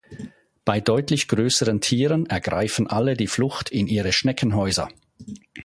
Bei deutlich größeren Tieren ergreifen alle die Flucht in ihre Schneckenhäuser.